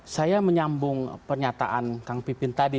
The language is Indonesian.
saya menyambung pernyataan kang pipin tadi